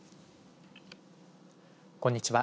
こんにちは。